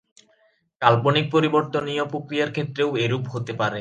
কাল্পনিক পরিবর্তনীয় প্রক্রিয়ার ক্ষেত্রেও এরূপ হতে পারে।